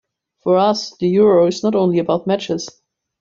For us the Euro is not only about matches.